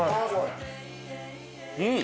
うん！